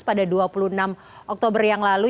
pada dua puluh enam oktober yang lalu